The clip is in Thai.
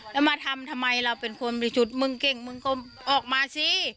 แล้วมาทำทำไมเราเป็นคนบริสุทธิ์มึงเก่งมึงก็ออกมาสิ